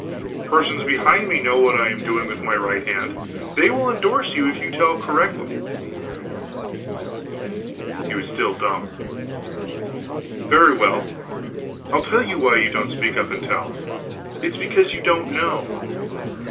Persons behind me know what I am doing with my right hand they will indorse you if you tell correctly." He was still dumb. "Very well, I'll tell you why you don't speak up and tell; it is because you don't know.